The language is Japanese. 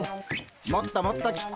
もっともっと切って。